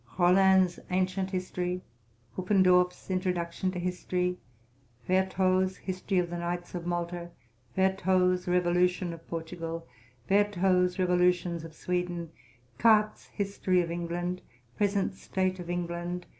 Rollin's Ancient History. Puffendorf's Introduction to History. Vertot's History of Knights of Malta. Vertot's Revolution of Portugal. Vertot's Revolutions of Sweden. Carte's History of England. Present State of England.